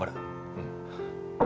うん。